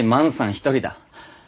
一人だ。